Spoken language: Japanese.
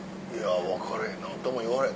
分かれへん何とも言われへん。